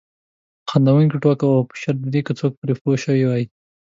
خندونکې ټوکه وه په شرط د دې که څوک پرې پوه شوي وای.